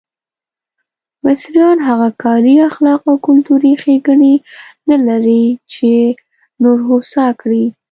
مصریان هغه کاري اخلاق او کلتوري ښېګڼې نه لري چې نور هوسا کړي.